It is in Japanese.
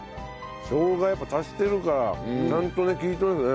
しょうがやっぱ足してるからちゃんとね利いてますね。